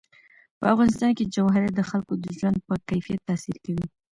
په افغانستان کې جواهرات د خلکو د ژوند په کیفیت تاثیر کوي.